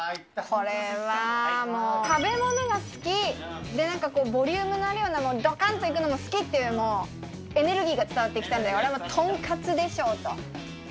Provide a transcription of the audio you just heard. これはもう、食べ物が好き、なんかボリュームのあるようなもの、どかんといくのも好きっていう、もうエネルギーが伝わってきたので、これは豚カツでしょうと。